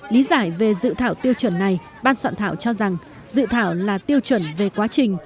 lý giải về dự thảo tiêu chuẩn này ban soạn thảo cho rằng dự thảo là tiêu chuẩn về quá trình